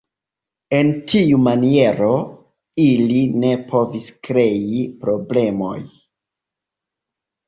En tiu maniero, ili ne povis krei problemoj.